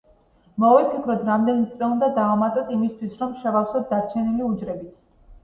მოვიფიქროთ რამდენი წრე უნდა დავამატოთ იმისთვის, რომ შევავსოთ დარჩენილი უჯრებიც.